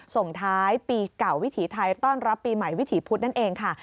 ส่งท้ายปีเก่าวิถีไทยต้อนรับปีใหม่วิถีพุธนั่นเองค่ะ